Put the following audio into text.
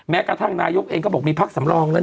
แม้กระทั่งนายกเองก็บอกมีพักสำรองแล้ว